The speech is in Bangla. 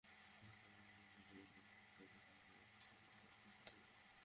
তোর চিঠি চরম অবস্থা সৃষ্টি করেছিলো যখন কোচ মার্শাল এটা পড়ছিলো।